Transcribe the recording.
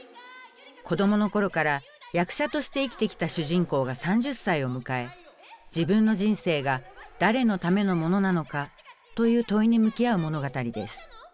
子どもの頃から役者として生きてきた主人公が３０歳を迎え「自分の人生が誰のためのものなのか？」という問いに向き合う物語です。